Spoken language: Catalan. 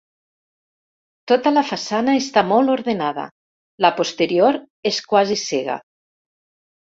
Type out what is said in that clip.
Tota la façana està molt ordenada, la posterior és quasi cega.